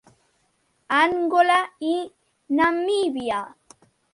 Angola i Namíbia.